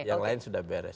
yang lain sudah beres